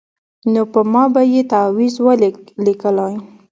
نو په ما به یې تعویذ ولي لیکلای